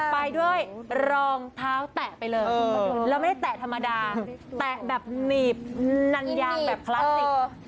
ไปด้วยรองเท้าแตะไปเลยแล้วไม่ได้แตะธรรมดาแตะแบบหนีบนันยางแบบคลาสติก